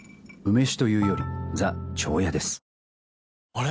あれ？